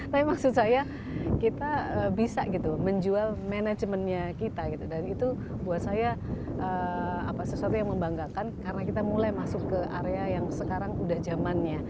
tapi maksud saya kita bisa gitu menjual manajemennya kita gitu dan itu buat saya sesuatu yang membanggakan karena kita mulai masuk ke area yang sekarang udah zamannya